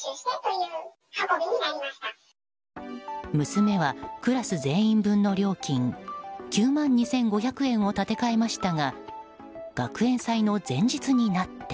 娘はクラス全員分の料金９万２５００円を立て替えましたが学園祭の前日になって。